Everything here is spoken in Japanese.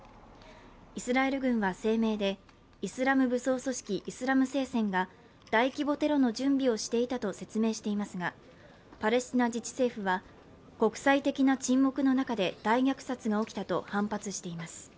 イスラエル軍は声明で、イスラム武装組織イスラム聖戦が大規模テロの準備をしていたと説明していますが、パレスチナ自治区政府は国際的な沈黙の中で大虐殺が起きたと反発しています。